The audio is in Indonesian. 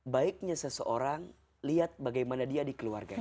baiknya seseorang lihat bagaimana dia di keluarga